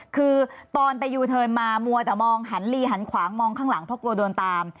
คือตอนไปยูเทิร์นมามัวแต่มองหันลีหันขวางมองข้างหลังเพราะกลัวโดนตาม